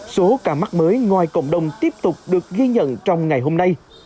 số ca mắc mới ngoài cộng đồng tiếp tục được ghi nhận trong ngày hôm nay